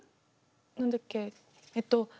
何だっけえっと